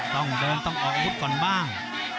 ต้องเดินต้องออกอาวุธก่อนบ้าง